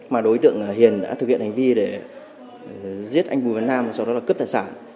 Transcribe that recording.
mà đối tượng hiền đã thực hiện hành vi để giết anh bùi văn nam và sau đó là cướp tài sản